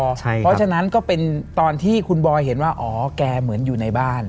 เพราะฉะนั้นก็เป็นตอนที่คุณบอยเห็นว่าอ๋อแกเหมือนอยู่ในบ้าน